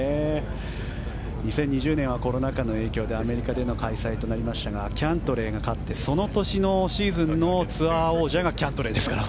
２０２０年はコロナ禍の影響でアメリカでの開催でしたがキャントレーが勝ってその年のシーズンのツアー王者がキャントレーですから。